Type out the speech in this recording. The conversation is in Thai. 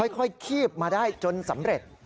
คีบมาได้จนสำเร็จ